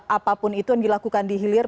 apapun itu yang dilakukan di hilir